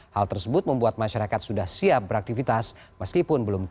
hal tersebut membuat masyarakat sudah siap